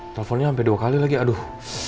teleponnya sampai dua kali lagi aduh